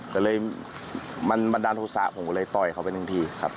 ก็เลยมันบันดาลโทษะผมก็เลยต่อยเขาไปหนึ่งทีครับ